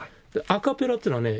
アカペラっていうのはね